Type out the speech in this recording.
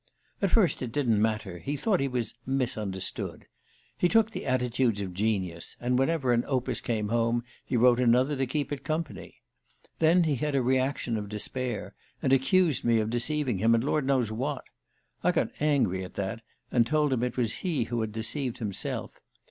"At first it didn't matter he thought he was 'misunderstood.' He took the attitudes of genius, and whenever an opus came home he wrote another to keep it company. Then he had a reaction of despair, and accused me of deceiving him, and Lord knows what. I got angry at that, and told him it was he who had deceived himself.